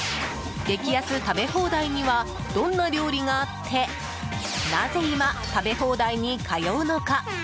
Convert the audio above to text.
激安食べ放題にはどんな料理があってなぜ今、食べ放題に通うのか？